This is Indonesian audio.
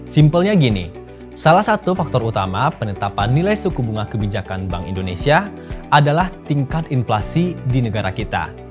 simpelnya gini salah satu faktor utama penetapan nilai suku bunga kebijakan bank indonesia adalah tingkat inflasi di negara kita